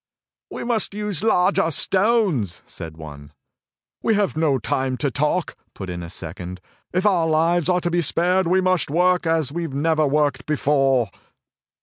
"We must use larger stones," said one. "We have no time to talk," put in a second. "If our lives are to be spared we must work as we never worked before."